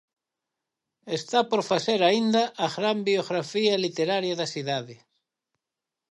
Está por facer aínda a gran biografía literaria da cidade.